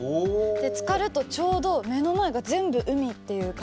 つかるとちょうど目の前が全部海っていう感じになって。